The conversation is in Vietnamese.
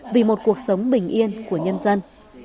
vì một cuộc sống bình yên của nhân dân